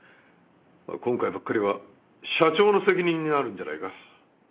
今回ばっかりは社長の責任になるんじゃないか？